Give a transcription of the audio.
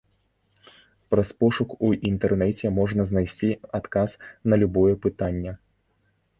Праз пошук у інтэрнэце можна знайсці адказ на любое пытанне.